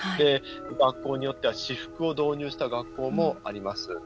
学校によっては私服を導入した学校もあります。